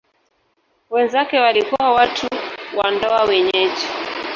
Wenzake walikuwa watu wa ndoa wenyeji.